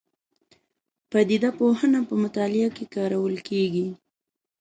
پدیده پوهنه په مطالعه کې کارول کېږي.